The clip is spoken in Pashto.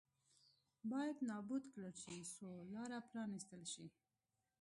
باید نابود کړل شي څو لار پرانېستل شي.